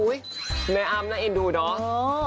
อุ๊ยแม่อ้ำน่าเอ็นดูเนอะ